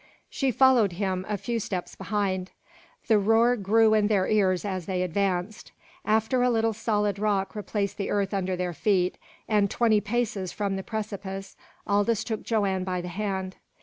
She followed him, a few steps behind. The roar grew in their ears as they advanced. After a little solid rock replaced the earth under their feet, and twenty paces from the precipice Aldous took Joanne by the hand.